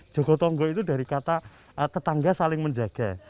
jogo tonggo itu dari kata tetangga saling menjaga